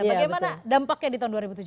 bagaimana dampaknya di tahun dua ribu tujuh belas